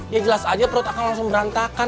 ya jelas aja perut akan langsung berantakan